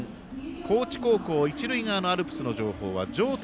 高知高校一塁側のアルプスの情報条谷